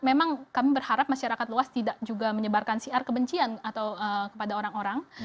memang kami berharap masyarakat luas tidak juga menyebarkan siar kebencian atau kepada orang orang